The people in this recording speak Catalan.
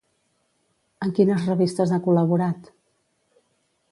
En quines revistes ha col·laborat?